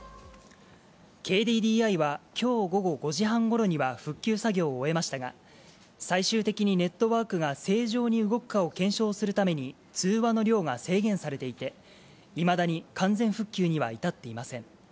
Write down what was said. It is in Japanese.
ＫＤＤＩはきょう午後５時半ごろには復旧作業を終えましたが、最終的にネットワークが正常に動くかを検証するために、通話の量が制限されていて、いまだに完全復旧には至っていません。